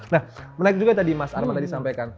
nah menarik juga tadi mas arman tadi sampaikan